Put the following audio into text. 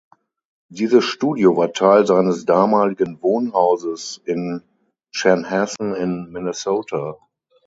Dieses Studio war Teil seines damaligen Wohnhauses in Chanhassen in Minnesota.